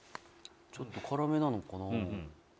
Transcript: ちょっと辛めなのかな？